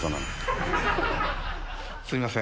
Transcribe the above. すみません。